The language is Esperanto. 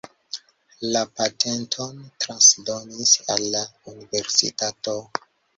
La patenton transdonis al la universitato.